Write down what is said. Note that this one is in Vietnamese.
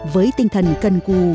với tinh thần cần cù